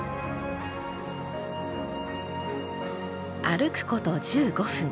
歩くこと１５分。